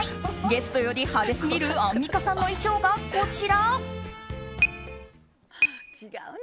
ゲストより派手すぎるアンミカさんの衣装が、こちら。